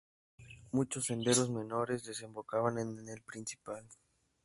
Muchos senderos menores desembocaban en el principal.